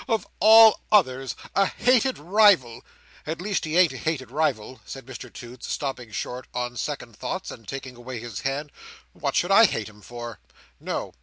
"Of all others!—a hated rival! At least, he ain't a hated rival," said Mr Toots, stopping short, on second thoughts, and taking away his hand; "what should I hate him for? No.